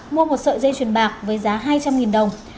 mua một sợi dây chuyền bạc với giá hai trăm linh đồng